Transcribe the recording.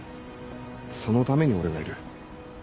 そのために俺がいる。